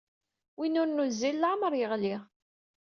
Win ur nuzzil, leɛmeṛ yeɣli.